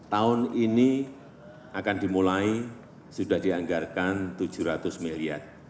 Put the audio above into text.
tahun ini akan dimulai sudah dianggarkan tujuh ratus miliar